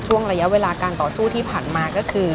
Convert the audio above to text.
ช่วงระยะเวลาการต่อสู้ที่ผ่านมาก็คือ